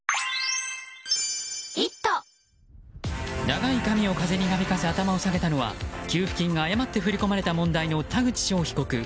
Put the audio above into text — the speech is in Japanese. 長い髪を風になびかせ頭を下げたのは給付金が誤って振り込まれた問題の田口翔被告。